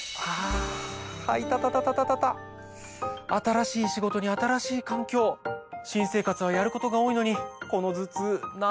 新しい仕事に新しい環境新生活はやることが多いのに。